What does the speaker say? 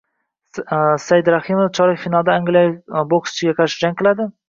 Saidrahimov chorak finalda angliyalik bokschiga qarshi jang qiladi